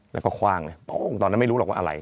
แล้วก็คว่างเลยพระองค์ตอนนั้นไม่รู้หรอกว่าอะไร